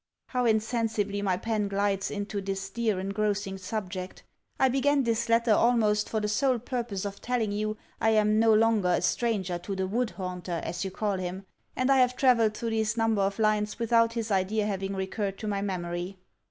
How insensibly my pen glides into this dear engrossing subject! I began this letter almost for the sole purpose of telling you I am no longer a stranger to the 'wood haunter,' as you call him; and I have travelled through these number of lines without his idea having recurred to my memory.